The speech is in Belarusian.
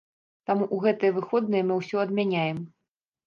Таму ў гэтыя выходныя мы ўсё адмяняем.